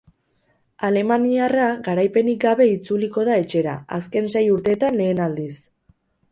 Alemaniarra garaipenik gabe itzuliko da etxera, azken sei urteetan lehen aldiz.